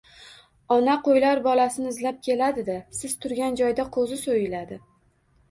“Ona qo‘ylar bolasini izlab keladi-da. Siz turgan joyda qo‘zi so‘yiladi”.